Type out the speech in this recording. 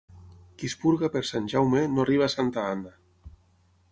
Qui es purga per Sant Jaume, no arriba a Santa Anna.